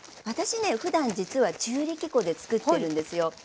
私ねふだん実は中力粉で作ってるんですよ。